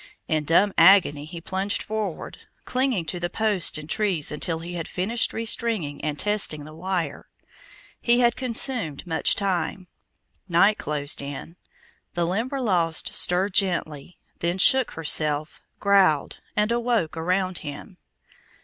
In dumb agony he plunged forward, clinging to the posts and trees until he had finished restringing and testing the wire. He had consumed much time. Night closed in. The Limberlost stirred gently, then shook herself, growled, and awoke around him.